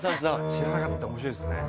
知らなかったら面白いですね。